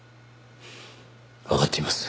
わかっています。